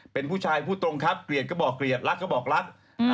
เป็นผู้ชายพูดตรงครับเกลียดก็บอกเกลียดรักก็บอกรัก